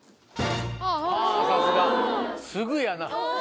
さすがすぐやなぁ。